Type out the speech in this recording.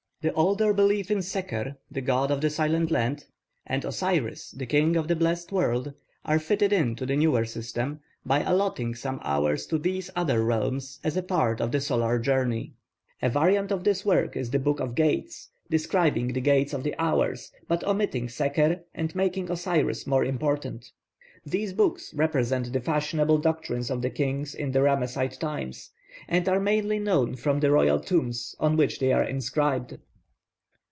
The older beliefs in Seker, the god of the silent land, and Osiris, the king of the blessed world, are fitted in to the newer system by allotting some hours to these other realms as a part of the solar journey. A variant of this work is the Book of Gates, describing the gates of the hours, but omitting Seker and making Osiris more important. These books represent the fashionable doctrines of the kings in the Ramesside times, and are mainly known from the royal tombs on which they are inscribed.